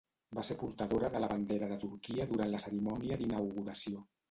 Va ser portadora de la bandera de Turquia durant la cerimònia d'inauguració.